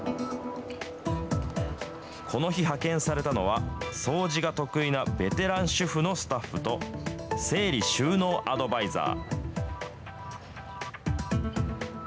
この日派遣されたのは、掃除が得意なベテラン主婦のスタッフと、整理収納アドバイザー。